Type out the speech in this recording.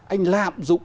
anh lạm dụng